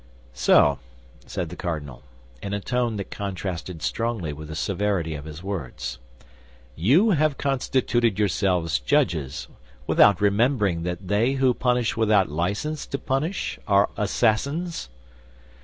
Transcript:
"So," said the cardinal, in a tone that contrasted strongly with the severity of his words, "you have constituted yourselves judges, without remembering that they who punish without license to punish are assassins?"